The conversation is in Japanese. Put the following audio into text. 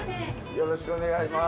よろしくお願いします。